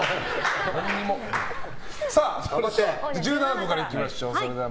さあ、１７個からいきましょう。